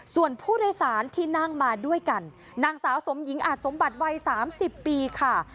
ส่วนผู้โดยสารที่นั่งมาด้วยกันนางสาวสมหญิงอาจสมบัติวัย๓๐ปีค่ะ